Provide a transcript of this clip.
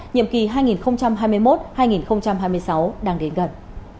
nhiệm kỳ hai nghìn hai mươi một hai nghìn hai mươi sáu đang đến gần